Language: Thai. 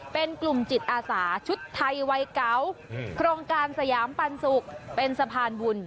เป็นกลุ่มจิตอาสาชุดไทยวัยเก๋าโครงการสยามปันสุกเป็นสะพานบุญ